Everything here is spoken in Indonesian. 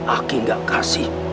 aki gak kasih